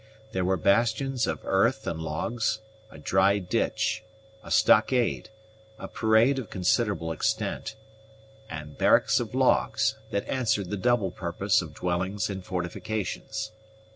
There were bastions of earth and logs, a dry ditch, a stockade, a parade of considerable extent, and barracks of logs, that answered the double purpose of dwellings and fortifications.